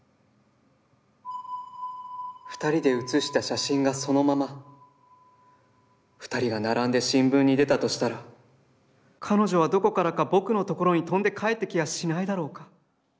「二人で写した写真がそのまま、二人が並んで新聞に出たとしたら、彼女はどこからか僕のところに飛んで帰って来やしないだろうか。